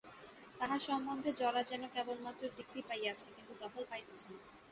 তাঁহার সম্বন্ধে জরা যেন কেবলমাত্র ডিক্রি পাইয়াছে, কিন্তু দখল পাইতেছে না।